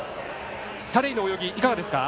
サレイの泳ぎ、いかがですか？